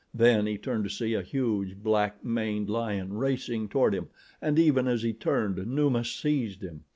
Then he turned to see a huge, black maned lion racing toward him and even as he turned, Numa seized him.